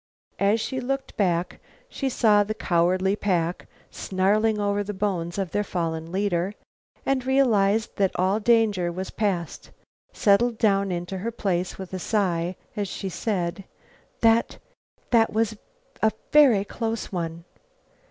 As she looked back, she saw the cowardly pack snarling over the bones of their fallen leader, and realizing that all danger was past, settled down in her place with a sigh as she said: "That that was a very close one."